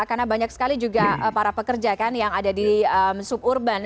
karena banyak sekali juga para pekerja kan yang ada di suburban